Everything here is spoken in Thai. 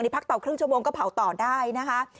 อันนี้พักเตาครึ่งชั่วโมงก็เผาต่อได้นะคะ